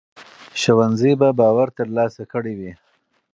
ښوونځي به باور ترلاسه کړی وي.